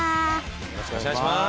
よろしくお願いします。